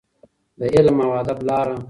د علم او ادب لاره.